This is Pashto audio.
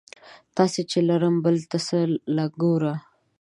تا چې لرم بلې ته څه له ګورم؟